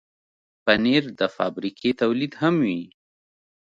پنېر د فابریکې تولید هم وي.